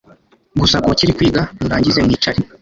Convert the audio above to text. Gusa ku bakiri kwiga, murangize mwicare